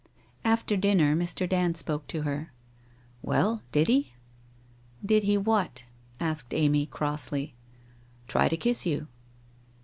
After dinner, Mr. Dand spoke to her. < Well, did he?' 1 Did he what?' asked Amy crossly. 1 Try to kiss you